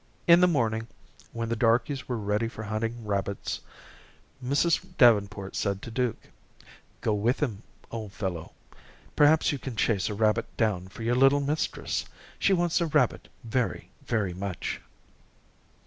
In the morning, when the darkies were ready for hunting rabbits, Mrs. Davenport said to Duke: "Go with them, old fellow. Perhaps you can chase a rabbit down for your little mistress. She wants a rabbit very, very much."